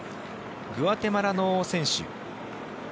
グアテマラの選手